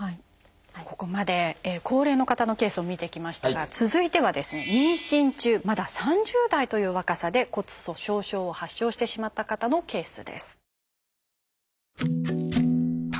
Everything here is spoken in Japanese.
ここまで高齢の方のケースを見てきましたが続いてはですね妊娠中まだ３０代という若さで骨粗しょう症を発症してしまった方のケースです。